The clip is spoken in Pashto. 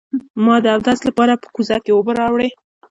ما د اودس لپاره په کوزه کې اوبه راوړې.